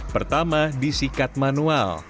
pertama disikat manual